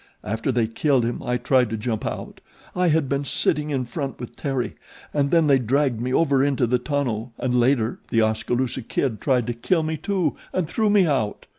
After they killed him I tried to jump out I had been sitting in front with Terry and then they dragged me over into the tonneau and later the Oskaloosa Kid tried to kill me too, and threw me out."